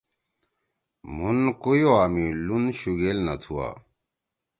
مُھون کویوا می لُون شوگیل نہ تُھوا۔